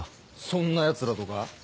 そんな奴らとか？